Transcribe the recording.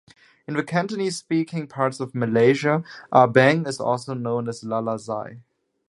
In the Cantonese-speaking parts of Malaysia, Ah Beng is also known as "lala zai".